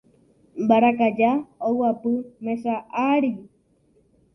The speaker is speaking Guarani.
Mbarakaja oguapy mesa ári.